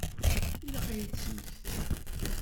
Ilaq ad iyi-d-tesmektiḍ.